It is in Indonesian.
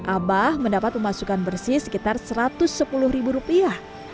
abah mendapat pemasukan bersih sekitar satu ratus sepuluh ribu rupiah